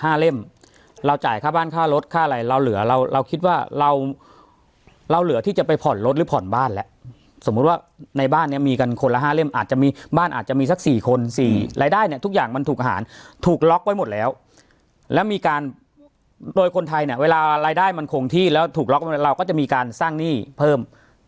เล่มเราจ่ายค่าบ้านค่ารถค่าอะไรเราเหลือเราเราคิดว่าเราเราเหลือที่จะไปผ่อนรถหรือผ่อนบ้านแล้วสมมุติว่าในบ้านเนี้ยมีกันคนละห้าเล่มอาจจะมีบ้านอาจจะมีสักสี่คนสี่รายได้เนี่ยทุกอย่างมันถูกอาหารถูกล็อกไว้หมดแล้วแล้วมีการโดยคนไทยเนี่ยเวลารายได้มันคงที่แล้วถูกล็อกเราก็จะมีการสร้างหนี้เพิ่ม